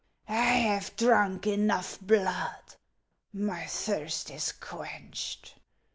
I have drunk enough Wood ; my thirst is quenched.